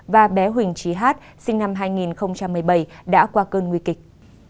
và bé huỳnh trí hát sinh năm hai nghìn một mươi bảy đã qua cơn nguy kịch